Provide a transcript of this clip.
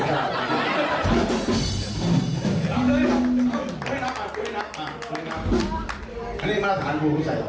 ตรงใย